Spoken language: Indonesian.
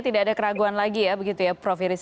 tidak ada keraguan lagi ya begitu ya prof iris